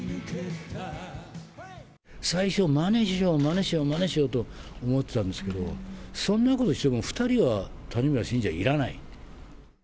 最初、まねしよう、まねしよう、まねしようと思ってたんですけど、そんなことしても、２人は谷村新司はいらないって。